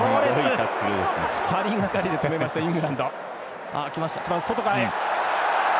２人がかりで止めましたイングランド。